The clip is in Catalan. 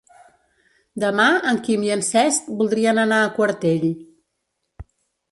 Demà en Quim i en Cesc voldrien anar a Quartell.